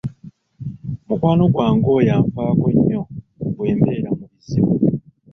Mukwano gwange oyo anfaako nnyo bwe mbeera mu buzibu.